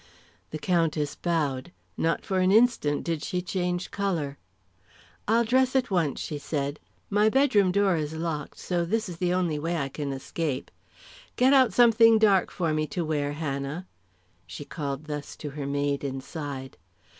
The Countess bowed; not for an instant did she change colour. "I'll dress at once," she said. "My bedroom door is locked, so this is the only way I can escape. Get out something dark for me to wear, Hannah." She called thus to her maid inside.